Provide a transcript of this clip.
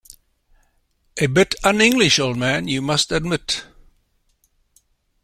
A bit un-English, old man, you must admit.